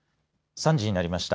３時になりました。